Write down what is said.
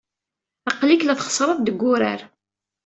Aql-ik la txeṣṣreḍ deg wurar.